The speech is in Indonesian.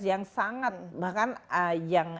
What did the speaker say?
yang sangat bahkan yang